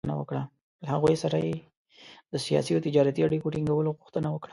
له هغوی سره یې د سیاسي او تجارتي اړیکو ټینګولو غوښتنه وکړه.